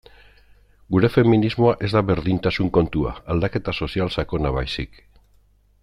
Gure feminismoa ez da berdintasun kontua, aldaketa sozial sakona baizik.